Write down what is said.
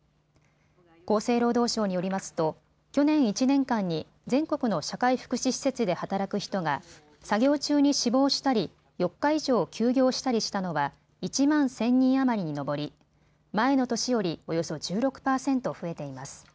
厚生労働省によりますと去年１年間に全国の社会福祉施設で働く人が作業中に死亡したり４日以上休業したりしたのは１万１０００人余りに上り前の年よりおよそ１６％増えています。